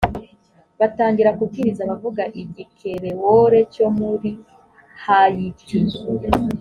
batangira kubwiriza abavuga igikerewole cyo muri hayiti